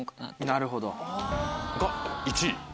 なるほど。が１位。